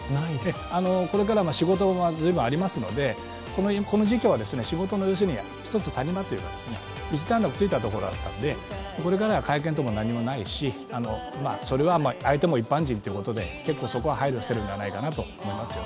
これから仕事が随分ありますので、この時期は仕事の谷間というか一段落ついたところだったので、これからは会見も何もないしそれは相手も一般人ということで、結構そこは配慮しているんじゃないかと思います。